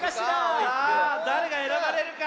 さあだれがえらばれるか？